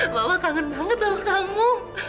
bapak kangen banget sama kamu